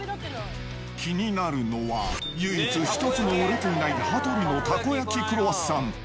気になるのは、唯一一つも売れていない羽鳥のたこ焼きクロワッサン。